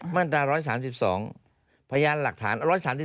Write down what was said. มาตรา๑๓๒พยานหลักฐาน๑๓๒